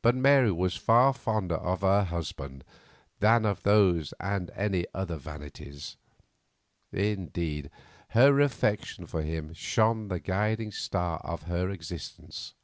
But Mary was far fonder of her husband than of those and other vanities; indeed, her affection for him shone the guiding star of her existence.